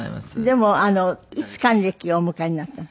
でもいつ還暦をお迎えになったの？